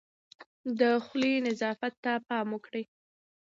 د خولې نظافت ته پام وکړئ.